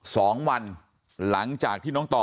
สองวันหลังจากที่น้องต่อ